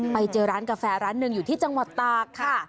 ไปเจอร้านกาแฟร้านหนึ่งอยู่ที่จังหวัดตากค่ะ